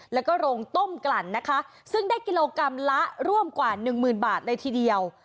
แล้วก็โรงต้มกลั่นนะคะซึ่งได้กิโลกรัมละร่วมกว่าหนึ่งหมื่นบาทเลยทีเดียว